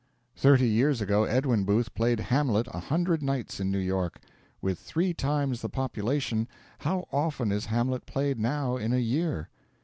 Thirty years ago Edwin Booth played 'Hamlet' a hundred nights in New York. With three times the population, how often is 'Hamlet' played now in a year?